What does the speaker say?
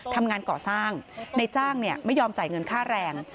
ทำงานก่อสร้างในจ้างไม่ยอมจ่ายเงินค่าแรง